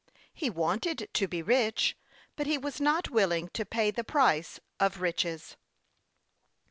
He wanted to be rich, but he was not willing to pay the price of riches.